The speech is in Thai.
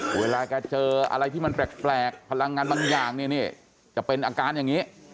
เวลาแกเจออะไรที่มันแปลกพลังงานบางอย่างเนี่ยจะเป็นอาการอย่างนี้